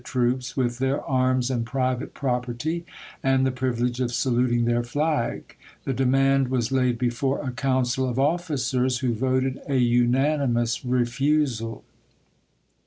iri8Gi. troops, with their arms and private property, and I., p. 13. ■ the privilege of saluting their flag. The demand joiirnai, was laid before a council of officers, who voted a \v R. ' Vol! unanimous refusal.